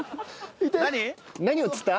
何を釣った？